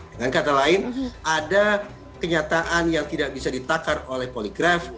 dengan kata lain ada kenyataan yang tidak bisa ditakar oleh poligraf